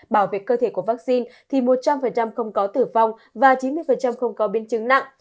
bảo vệ cơ thể của vaccine thì một trăm linh không có tử vong và chín mươi không có biến chứng nặng